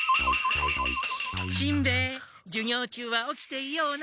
しんべヱ授業中は起きていような。